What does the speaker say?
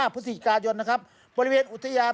พฤศจิกายนบริเวณอุทยาน